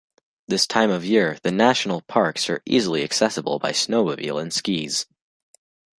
This time of year the national parks are easily accessible by snowmobile and skis.